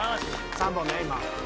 ３本ね今。